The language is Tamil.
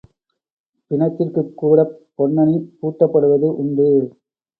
பிணத்திற்குக் கூடப் பொன்னணி பூட்டப்படுவது உண்டு.